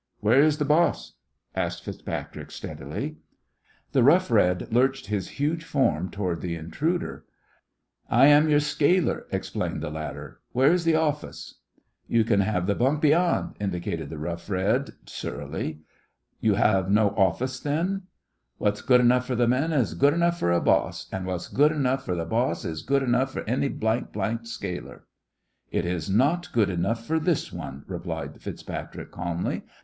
"Where is the boss?" asked FitzPatrick, steadily. The Rough Red lurched his huge form toward the intruder. "I am your scaler," explained the latter. "Where is the office?" "You can have the bunk beyand," indicated the Rough Red, surlily. "You have no office then?" "What's good enough fer th' men is good enough for a boss; and what's good enough fer th' boss is good enough fer any blank blanked scaler." "It is not good enough for this one," replied FitzPatrick, calmly.